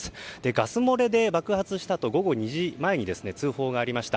ガス漏れで爆発したと午後２時前に通報がありました。